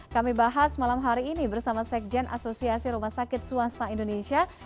kami bahas malam hari ini bersama sekjen asosiasi rumah sakit swasta indonesia